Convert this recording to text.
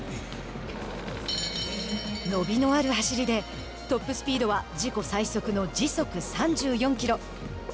伸びのある走りでトップスピードは自己最速の、時速３４キロ。